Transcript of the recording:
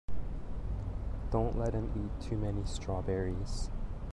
Don't let him eat too many strawberries.